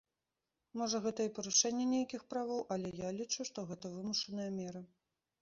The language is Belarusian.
Можа, гэта і парушэнне нейкіх правоў, але я лічу, што гэта вымушаная мера.